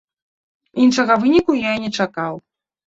Іншага выніку я і не чакаў.